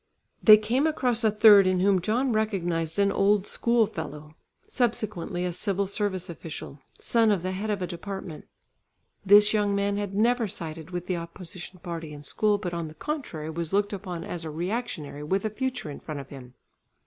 They came across a third in whom John recognised an old school fellow, subsequently a civil service official, son of the head of a department. This young man had never sided with the opposition party in school, but on the contrary, was looked upon as a re actionary with a future in front of him.